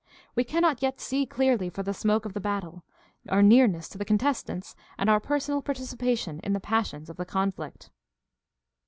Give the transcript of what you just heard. We cannot yet see clearly for the smoke of battle, our nearness to the contestants, and our personal participation in the passions of the conflict.